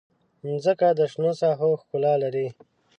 مځکه د شنو ساحو ښکلا لري.